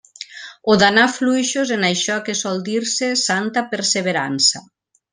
O d'anar fluixos en això que sol dir-se santa perseverança.